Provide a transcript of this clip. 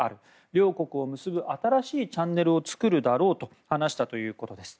両国を結ぶ新しいチャンネルを作るだろうと話したということです。